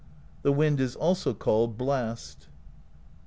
The Wind is also called Blast.